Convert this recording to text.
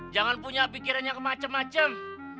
jangan punya pikiran yang kemacem macem